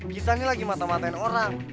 bisa ini lagi mata matain orang